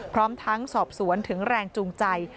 พร้อมทั้งสอบสวนถึงแรงจูงใจ